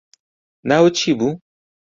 ناوت چی بوو